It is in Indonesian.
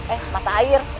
eh mata air